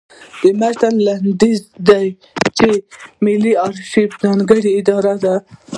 د متن لنډیز دا دی چې ملي ارشیف ځانګړې اداره ده.